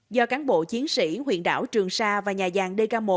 do cán bộ chiến sĩ huyện đảo trường sa và nhà dàn dg một